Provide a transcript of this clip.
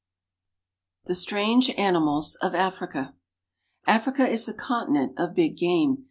THE STRANGE ANIMALS OF AFRICA AFRICA is the continent of big game.